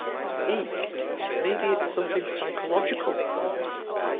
Eek! Maybe it’s something psychological?